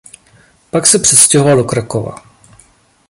Pak se přestěhoval do Krakova.